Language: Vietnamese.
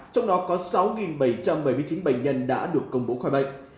trong đó có sáu bảy trăm bảy mươi chín bệnh nhân đã được công bố khỏi bệnh